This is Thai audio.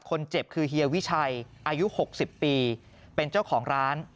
คนเจ็บคือเฮียวิชัยอายุ๖๐ปีเป็นเจ้าของร้าน